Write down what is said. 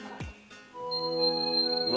うわ。